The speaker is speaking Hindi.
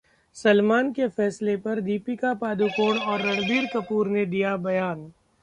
सलमान के फैसले पर दीपिका पादुकोण और रणबीर कपूर ने दिया बयान